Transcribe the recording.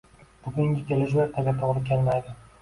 Bugungi kelishuv ertaga to‘g‘ri kelmaydi.